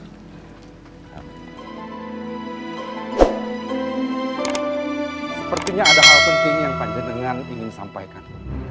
sepertinya ada hal penting yang pak jedengan ingin sampaikan